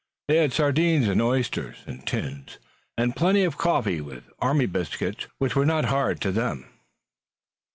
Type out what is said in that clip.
They had sardines and oysters, in tins, and plenty of coffee, with army biscuits which were not hard to them.